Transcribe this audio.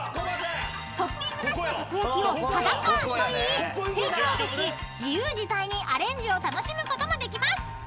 ［トッピングなしのたこ焼きをはだかといいテークアウトし自由自在にアレンジを楽しむこともできます］